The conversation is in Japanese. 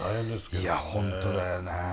いや本当だよね。